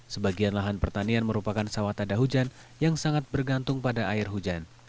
sebagian lahan pertanian merupakan sawah ada hujan yang sangat bergantung pada air hujan